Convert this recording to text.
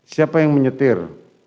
siapa yang menyetir